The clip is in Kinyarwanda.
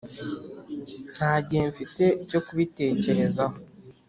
ntagihe mfite cyo kubitekerezaho